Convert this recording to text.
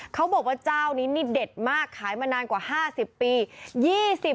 เขาบอกว่าเจ้านี้นี่เด็ดมากขายมานานกว่า๕๐ปี